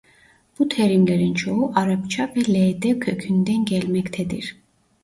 Bu terimlerin çoğu Arapça ve-le-de kökünden gelmektedir.